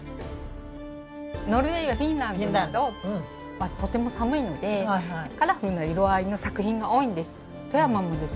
ノルウェーやフィンランドなどはとても寒いのでカラフルな色合いの作品が多いんです。